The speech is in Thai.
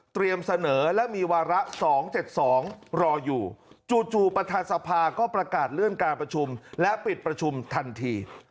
เสนอและมีวาระ๒๗๒รออยู่จู่ประธานสภาก็ประกาศเลื่อนการประชุมและปิดประชุมทันที